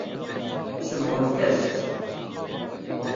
Tsebɣemt-as-tt.